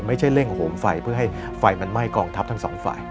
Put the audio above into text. ไม่ใช่เร่งโหมไฟเพื่อให้ไฟมันไหม้กองทัพทั้งสองฝ่าย